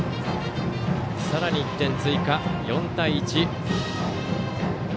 さらに１点追加、４対１。